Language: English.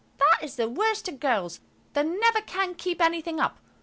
That is the worst of girls–they never can keep anything up.